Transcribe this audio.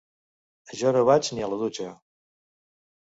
Jo no vaig ni a la dutxa.